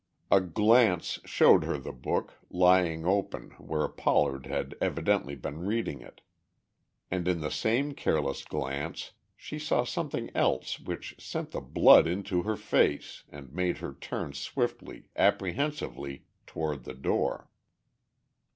A glance showed her the book, lying open, where Pollard had evidently been reading it. And in the same careless glance she saw something else which sent the blood into her face and made her turn swiftly, apprehensively, toward the door.